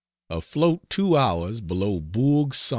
AFLOAT 2 HOURS BELOW BOURG ST.